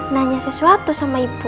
nanya sesuatu sama ibu